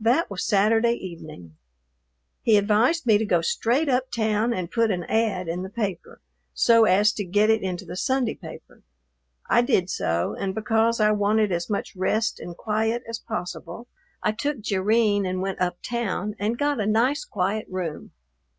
That was Saturday evening. He advised me to go straight uptown and put an "ad" in the paper, so as to get it into the Sunday paper. I did so, and because I wanted as much rest and quiet as possible I took Jerrine and went uptown and got a nice quiet room.